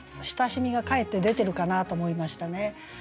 親しみがかえって出てるかなと思いましたね。